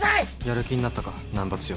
やる気になったか難破剛。